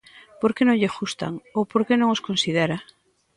¿Por que non lle gustan, ou por que non os considera?